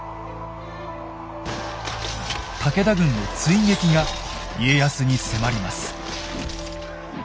武田軍の追撃が家康に迫ります。